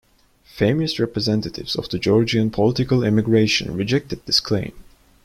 Famous representatives of the Georgian Political Emigration rejected this claim.